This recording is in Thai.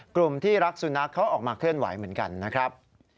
กลุ่มที่รักสุนัขเขาออกมาเคลื่อนไหวเหมือนกันนะครับ